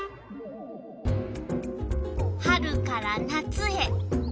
春から夏へ。